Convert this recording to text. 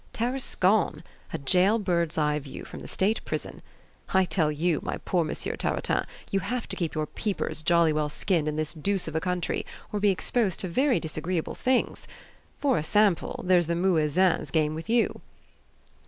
Tarascon a jail bird's eye view from the state prison. I tell you, my poor Monsieur Tartarin, you have to keep your peepers jolly well skinned in this deuce of a country, or be exposed to very disagreeable things. For a sample, there's the muezzin's game with you."